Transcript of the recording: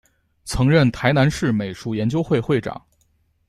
曾任台南市美术研究会会长。